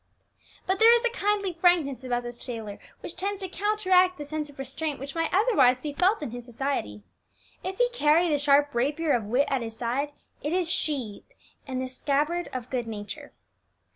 But there is a kindly frankness about the sailor which tends to counteract the sense of restraint which might otherwise be felt in his society. If he carry the sharp rapier of wit at his side, it is sheathed in the scabbard of good nature.